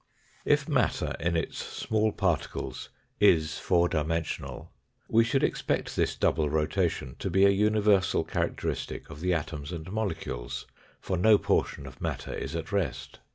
If matter in its small particles is four dimensional, we should expect this double rotation to be a universal characteristic of the atoms and molecules, for no portion of matter is at rest.